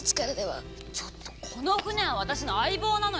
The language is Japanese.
ちょっとこの船は私の相棒なのよ。